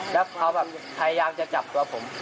แล้วเขาแบบพยายามจะจับตัวผม